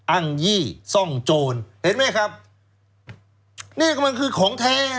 อ้างยี่ซ่องโจรเห็นไหมครับนี่กำลังคือของแท้